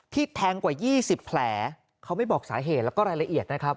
แทงกว่า๒๐แผลเขาไม่บอกสาเหตุแล้วก็รายละเอียดนะครับ